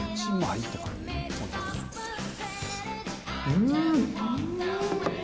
うん！